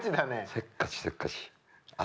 せっかちせっかち。